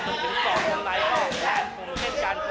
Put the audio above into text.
ถึงสองคนในห้องแผ่นผมเช่นกัน